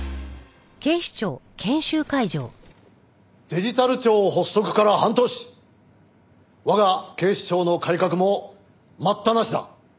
デジタル庁発足から半年我が警視庁の改革も待ったなしだ。